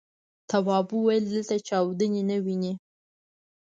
تواب وويل: دلته چاودنې نه وینې.